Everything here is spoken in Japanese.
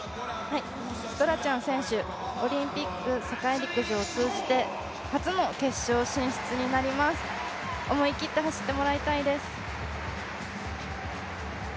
ストラチャン選手、オリンピック、世界陸上通じて初の決勝進出になります、思い切って走ってもらいたいです。